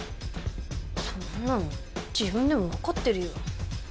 そんなの自分でもわかってるよ。